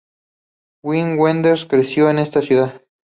Wim Wenders creció en esta ciudad.